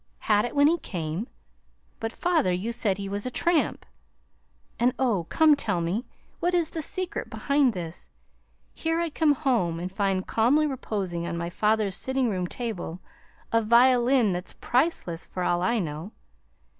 "'Had it when he came'! But, father, you said he was a tramp, and oh, come, tell me, what is the secret behind this? Here I come home and find calmly reposing on my father's sitting room table a violin that's priceless, for all I know.